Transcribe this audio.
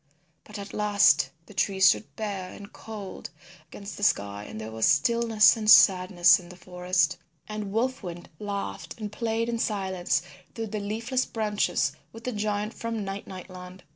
But at last the trees stood bare and cold against the sky and there was stillness and sadness in the forest. And Wolf Wind laughed and played in silence through the leafless branches with the giant from Night Night Land.